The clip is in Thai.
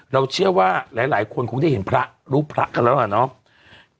เราเชื่อว่าหลายคนคงได้รู้พระพระนี่เนี่ย